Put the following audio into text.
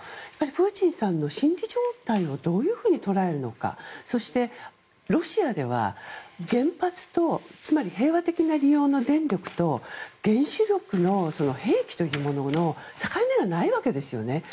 やっぱりプーチンさんの心理状態をどういうふうに捉えるのかそして、ロシアでは原発とつまり平和的な利用の電力と原子力の兵器というものの境目がないわけですよね。